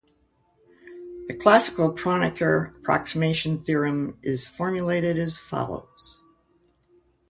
The classical Kronecker approximation theorem is formulated as follows.